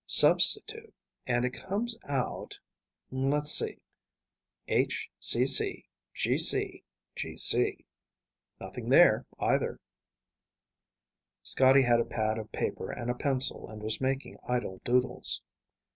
Substitute and it comes out ... let's see ... HCCGCGC. Nothing there, either." Scotty had a pad of paper and a pencil and was making idle doodles.